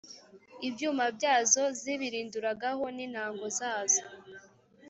ibyuma byazo zibirinduragaho n’intango zazo